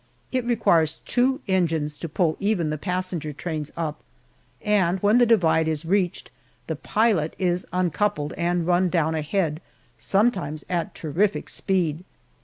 It requires two engines to pull even the passenger trains up, and when the divide is reached the "pilot" is uncoupled and run down ahead, sometimes at terrific speed.